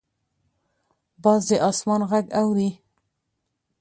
باز د اسمان غږ اوري